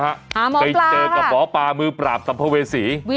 หาหมอปลาค่ะวิดีโอคอลกันอย่างนี้เลยนะคะไปเจอกับหมอปลามือปราบสัมภเวษี